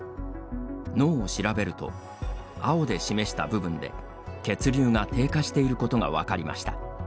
脳を調べると、青で示した部分で血流が低下していることが分かりました。